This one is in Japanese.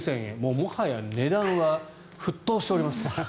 もはや値段は沸騰しております。